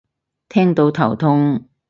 聽到頭痛